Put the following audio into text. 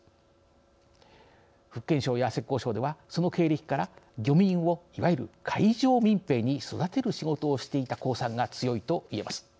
福建省や浙江省ではその経歴から漁民をいわゆる海上民兵に育てる仕事をしていた公算が強いと言えます。